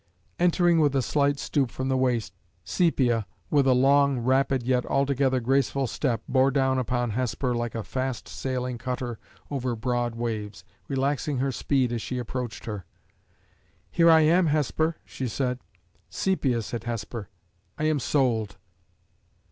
Entering with a slight stoop from the waist, Sepia, with a long, rapid, yet altogether graceful step, bore down upon Hesper like a fast sailing cutter over broad waves, relaxing her speed as she approached her. "Here I am, Hesper!" she said. "Sepia," said Hesper, "I am sold."